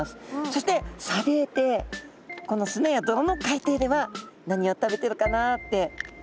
そして砂泥底この砂や泥の海底では何を食べてるかなって。